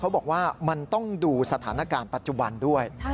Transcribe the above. บอกว่ามันต้องดูสถานการณ์ปัจจุบันด้วย